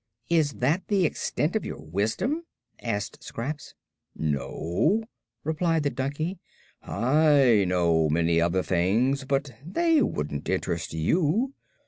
"Is that the extent of your wisdom?" asked Scraps. "No," replied the donkey; "I know many other things, but they wouldn't interest you.